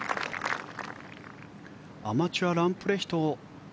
アマチュアランプレヒト